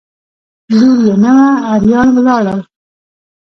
لور یې نه وه اریان ولاړل.